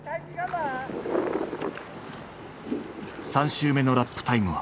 ３周目のラップタイムは。